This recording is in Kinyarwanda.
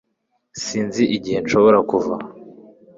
Sinzi igihe nshobora kuva